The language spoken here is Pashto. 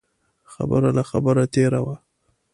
خبره له خبرې تېره وه.